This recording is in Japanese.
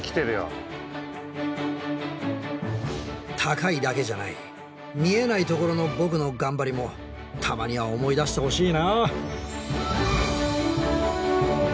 高いだけじゃない見えないところの僕の頑張りもたまには思い出してほしいなあ。